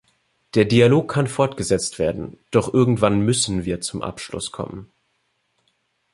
Der Dialog kann fortgesetzt werden, doch irgendwann müssen wir zum Abschluss kommen.